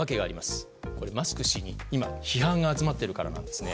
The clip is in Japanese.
今、マスク氏に批判が集まっているからなんですね。